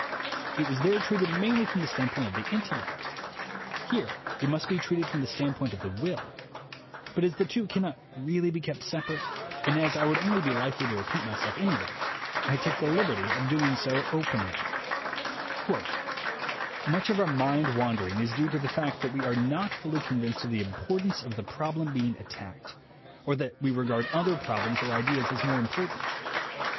It was there treated mainly from the standpoint of the intellect; here it must be treated from the standpoint of the will; but as the two cannot really be kept separate, and as I would only be likely to repeat myself anyway, I take the liberty of doing so openly : "Much of our mind wandering is due to the fact that we are not fully convinced of the impor tance of the problem being attacked, or that we regard other problems or ideas as more important.